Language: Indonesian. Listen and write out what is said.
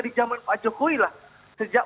di zaman pak jokowi lah sejak